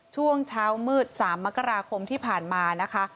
ช่วงเช้ามืด๓มกราคมที่ผ่านมานะคะ